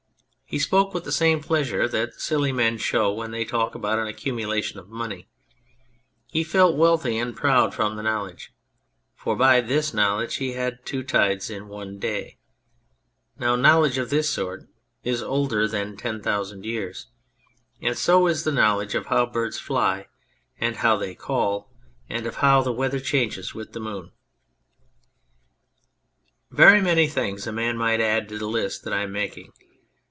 He spoke with the same pleasure that silly men show when they talk about an accumulation of money. He felt wealthy and proud from the know ledge, for by this knowledge he had two tides in one day. Now knowledge of this sort is older than ten thousand years ; and so is the knowledge of how birds fly, and of how they call, and of how the weather changes with the moon. 140 On the Traveller Very many tilings a man might add to the list that I am making.